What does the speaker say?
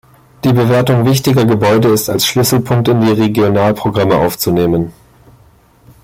Die Bewertung wichtiger Gebäude ist als Schlüsselpunkt in die Regionalprogramme aufzunehmen.